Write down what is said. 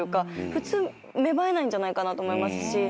普通芽生えないんじゃないかと思いますし。